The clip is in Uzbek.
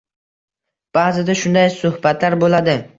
Ba'zida shunday suhbatlar bo'ladi